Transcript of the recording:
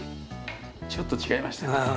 ちょっと違いましたね。